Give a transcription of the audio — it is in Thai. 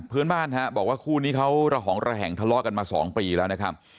เพื่อนบ้านฮะบอกว่าคู่นี้เขาระหองระแหงทะเลาะกันมา๒ปีแล้วนะครับ